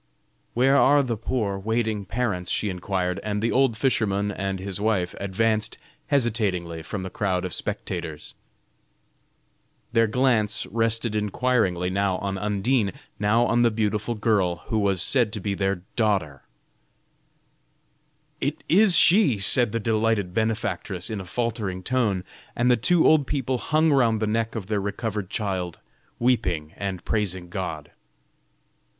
"Where are the poor waiting parents?" she inquired, and, the old fisherman and his wife advanced hesitatingly from the crowd of spectators. Their glance rested inquiringly now on Undine, now on the beautiful girl who was said to be their daughter "It is she," said the delighted benefactress, in a faltering tone, and the two old people hung round the neck of their recovered child, weeping and praising God.